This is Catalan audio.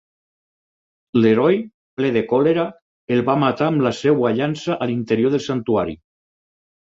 L'heroi, ple de còlera, el va matar amb la seva llança a l'interior del santuari.